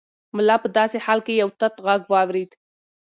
ملا په داسې حال کې یو تت غږ واورېد.